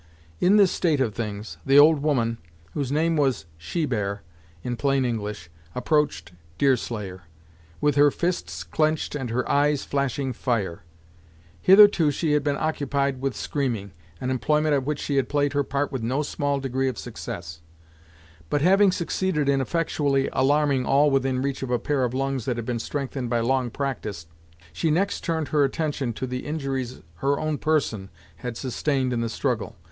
In this state of things, the old woman, whose name was Shebear, in plain English, approached Deerslayer, with her fists clenched and her eyes flashing fire. Hitherto, she had been occupied with screaming, an employment at which she had played her part with no small degree of success, but having succeeded in effectually alarming all within reach of a pair of lungs that had been strengthened by long practice, she next turned her attention to the injuries her own person had sustained in the struggle.